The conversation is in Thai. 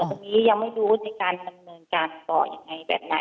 ในส่วนตรงนี้ยังไม่รู้ในการดำเนินการต่ออย่างไรแบบไหน